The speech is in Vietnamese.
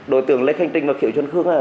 đội tưởng lê khanh trinh và kiệu chân khương